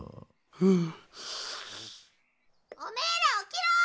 うん。